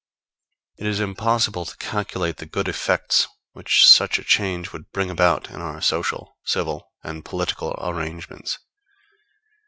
It is impossible to calculate the good effects which such a change would bring about in our social, civil and political arrangements.